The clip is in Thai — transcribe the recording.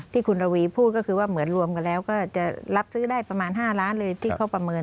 ที่คุณระวีพูดก็คือว่าเหมือนรวมกันแล้วก็จะรับซื้อได้ประมาณ๕ล้านเลยที่เขาประเมิน